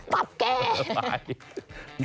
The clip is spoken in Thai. ตับแก